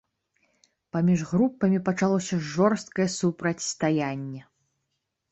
Паміж групамі пачалося жорсткае супрацьстаянне.